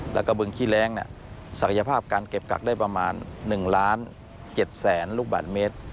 แล้วก็บึงขี้แร้งศักยภาพการเก็บกักได้ประมาณ๑ล้าน๗แสนลูกบาทเมตร